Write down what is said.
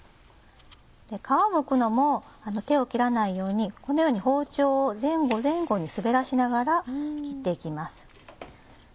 皮をむくのも手を切らないようにこのように包丁を前後前後に滑らしながら切って行きます。